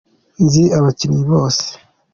nzi abakinnyi bose.